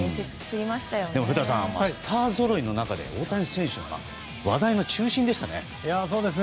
古田さん、スターぞろいの中で大谷選手は話題の中心でしたね。